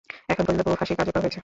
এখন পর্যন্ত বহু ফাঁসি কার্যকর হয়েছে?